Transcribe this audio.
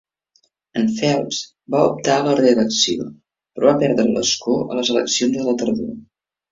En Phelps va optar a la reelecció però va perdre l'escó a les eleccions de la tardor.